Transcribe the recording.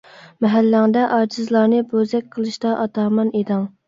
مەھەللەڭدە ئاجىزلارنى بوزەك قىلىشتا ئاتامان ئىدىڭ.